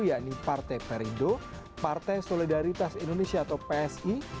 yakni partai perindo partai solidaritas indonesia atau psi